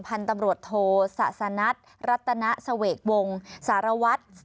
พันธุ์ตำรวจโทสะสนัทรัตนเสวกวงสารวัตร